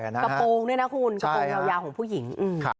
กระโปรงด้วยนะคุณกระโปรงยาวของผู้หญิง